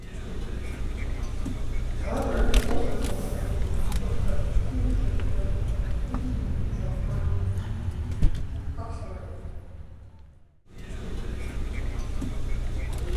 However, most residents of Port Hood commute to work in communities like Port Hawkesbury.